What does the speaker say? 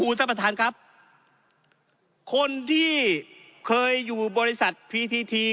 คุณสัตว์ประทานครับคนที่เกย์อยู่บริษัทพีทีที